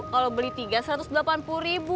kalau beli tiga rp satu ratus delapan puluh